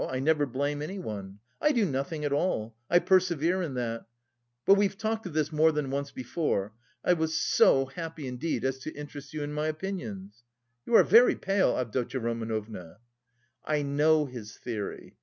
I never blame anyone. I do nothing at all, I persevere in that. But we've talked of this more than once before. I was so happy indeed as to interest you in my opinions.... You are very pale, Avdotya Romanovna." "I know his theory.